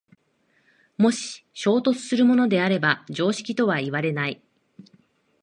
もし衝突するものであれば常識とはいわれない。